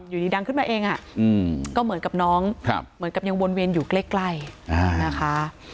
อยู่ดีดังขึ้นมาเองก็เหมือนกับน้องเหมือนกับยังวนเวียนอยู่ใกล้นะคะ